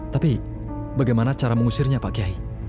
tapi bagaimana cara mengusirnya pak kiai